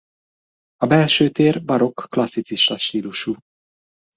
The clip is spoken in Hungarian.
A belső tér barokk-klasszicista stílusú.